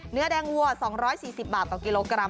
เนื้อแดงวัว๒๔๐บาทต่อกิโลกรัม